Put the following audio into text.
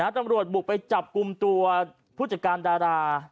ตำรวจบุกไปจับกลุ่มตัวผู้จัดการดารา